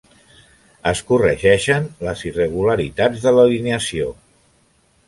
Es corregeixen les irregularitats de l'alineació.